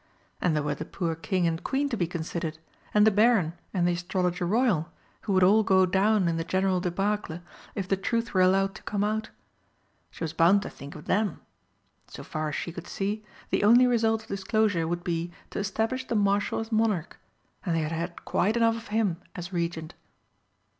And there were the poor King and Queen to be considered, and the Baron and the Astrologer Royal, who would all go down in the general débâcle if the truth were allowed to come out. She was bound to think of them. So far as she could see, the only result of disclosure would be to establish the Marshal as Monarch and they had had quite enough of him as Regent.